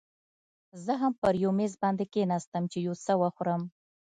زه هم پر یو میز باندې کښېناستم، چې یو څه وخورم.